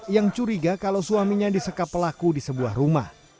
yang curiga kalau suaminya disekap pelaku di sebuah rumah